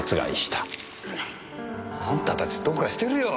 あんたたちどうかしてるよ！